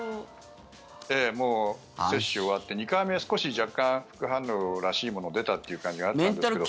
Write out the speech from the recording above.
もう接種終わって、２回目少し若干、副反応らしいものが出たっていう感じはあったんですけど。